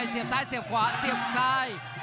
เสียบซ้ายเสียบขวาเสียบซ้าย